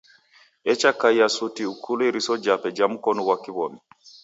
Echakaia suti ukulo iriso jape ja mkonu ghwa kiw'omi .